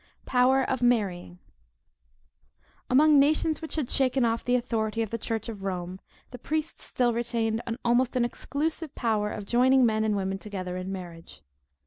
POWER OF MARRYING. Among nations which had shaken off the authority of the church of Rome, the priests still retained almost an exclusive power of joining men and women together in marriage.